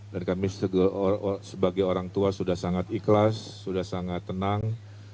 dan kami sebagai orang tua sudah sangat ikhlas sudah sangat tenang